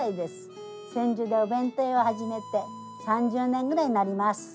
千住でお弁当屋を始めて３０年ぐらいになります。